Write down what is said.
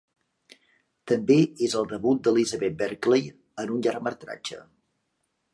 També és el debut d'Elizabeth Berkley en un llargmetratge.